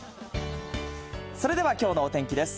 それではきょうのお天気です。